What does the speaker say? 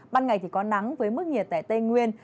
ban ngày thì có nắng với mức nhiệt tại tây nguyên